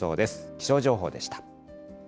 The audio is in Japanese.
気象情報でした。